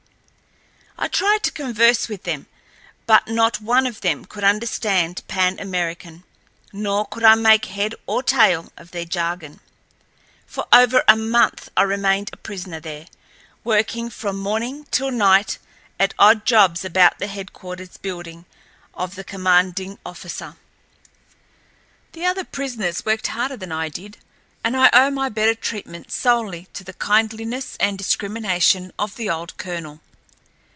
I tried to converse with them, but not one of them could understand Pan American, nor could I make head or tail of their jargon. For over a month I remained a prisoner there, working from morning until night at odd jobs about the headquarters building of the commanding officer. The other prisoners worked harder than I did, and I owe my better treatment solely to the kindliness and discrimination of the old colonel.